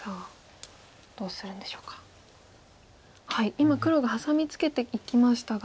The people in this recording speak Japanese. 今黒がハサミツケていきましたが。